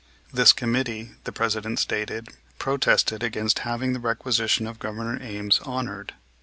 This committee, the President stated, protested against having the requisition of Governor Ames honored.